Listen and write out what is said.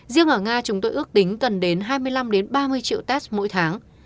riêng ở nga chúng tôi ước tính cần đến hai mươi năm ba mươi triệu test mỗi tháng